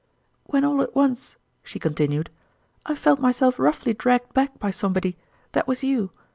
"When all at once," she continued, "I felt myself roughly dragged back by somebody that was you